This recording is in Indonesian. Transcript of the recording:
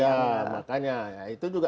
ya makanya itu juga